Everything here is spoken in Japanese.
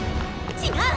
違う！